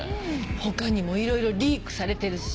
他にもいろいろリークされてるし。